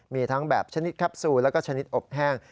มีทั้งแบบชนิดแคปซูลแล้วก็ชนิดอบแห้ง